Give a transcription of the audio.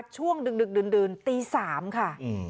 ช่วงดึงตี๓ค่ะ